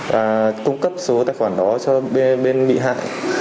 và cung cấp số tài khoản đó cho bên bị hại